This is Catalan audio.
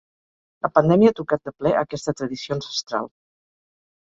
La pandèmia ha tocat de ple aquesta tradició ancestral.